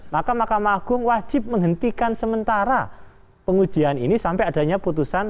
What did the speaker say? maka mahkamah agung wajib menghentikan sementara pengujian ini sampai adanya putusan